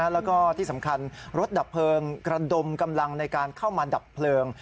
แล้วก็ที่สำคัญรถดับเพลิงกระดมกำลังในการเข้ามาดับเพลิง